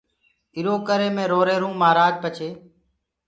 ايٚرو ڪري مي روهيروئونٚ مهآرآج پڇي